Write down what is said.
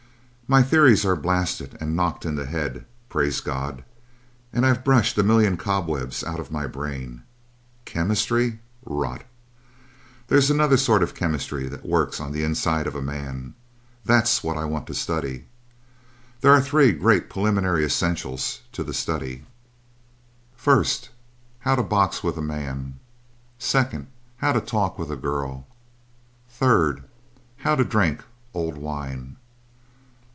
My theories are blasted and knocked in the head praise God! and I've brushed a million cobwebs out of my brain. Chemistry? Rot! There's another sort of chemistry that works on the inside of a man. That's what I want to study. There are three great preliminary essentials to the study: 1st: How to box with a man. 2nd: How to talk with a girl. 3rd: How to drink old wine.